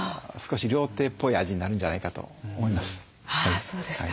あそうですか。